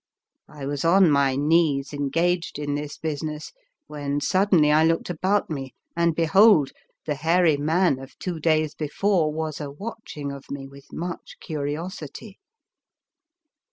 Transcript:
I was on my knees engaged in this business, when suddenly I looked about me, and be hold, the hairy man of two days before was a watching of me with much curi osity.